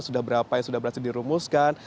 sudah berapa yang sudah berhasil dirumuskan